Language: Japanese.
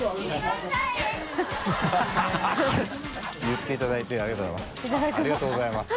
言っていただいてありがとうございます。